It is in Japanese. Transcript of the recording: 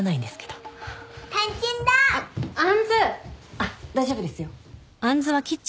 あっ大丈夫ですよ。